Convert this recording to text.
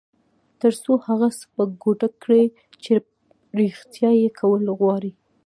تر څو هغه څه په ګوته کړئ چې رېښتيا یې کول غواړئ.